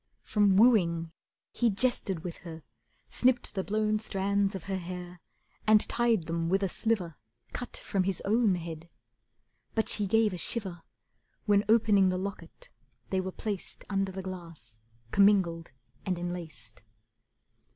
From wooing he jested with her, snipped the blown Strands of her hair, and tied them with a sliver Cut from his own head. But she gave a shiver When, opening the locket, they were placed Under the glass, commingled and enlaced.